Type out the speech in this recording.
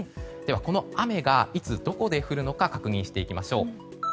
この雨がいつどこで降るのか確認していきましょう。